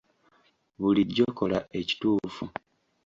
Bulijjo kola ekituufu.